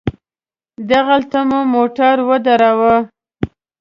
دغلته مو موټر ودراوه.